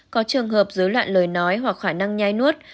có trường hợp dối loạn lời nói hoặc khả năng nhai nuốt